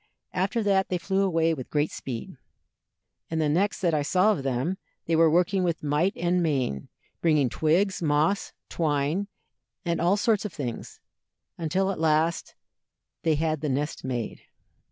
After that they flew away with great speed, and the next that I saw of them they were working with might and main, bringing twigs, moss, twine, and all sorts of things, until at last they had the nest made."